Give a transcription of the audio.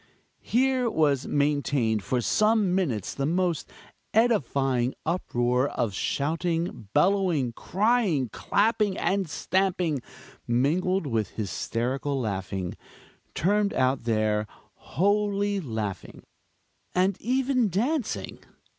Here was maintained for some minutes the most edifying uproar of shouting, bellowing, crying, clapping and stamping, mingled with hysterical laughing, termed out there "holy laughing," and even dancing!